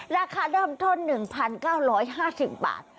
ราคาเริ่มต้น๑๙๕๐บาท